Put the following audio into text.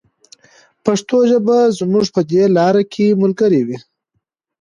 پښتو ژبه به زموږ په دې لاره کې ملګرې وي.